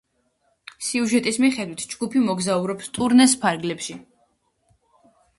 სიუჟეტის მიხედვით, ჯგუფი მოგზაურობს ტურნეს ფარგლებში.